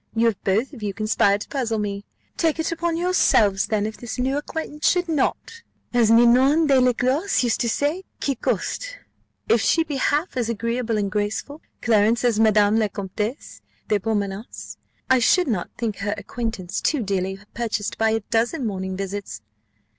You have both of you conspired to puzzle me. Take it upon yourselves, then, if this new acquaintance should not, as Ninon de l'Enclos used to say, quit cost. If she be half as agreeable and graceful, Clarence, as Madame la Comtesse de Pomenars, I should not think her acquaintance too dearly purchased by a dozen morning visits."